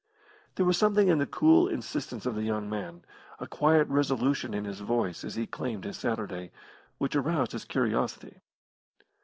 There was something in the cool insistence of the young man, a quiet resolution in his voice as he claimed his Saturday, which aroused his curiosity.